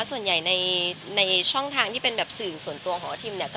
ส่วนใหญ่ในช่องทางที่เป็นแบบสื่อส่วนตัวของอาทิมเนี่ย